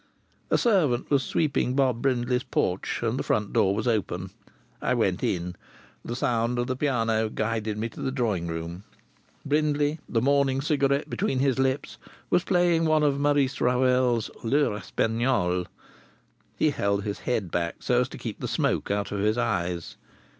A servant was sweeping Bob Brindley's porch and the front door was open. I went in. The sound of the piano guided me to the drawing room. Brindley, the morning cigarette between his lips, was playing one of Maurice Ravel's "L'heure espagnole." He held his head back so as to keep the smoke out of his eyes.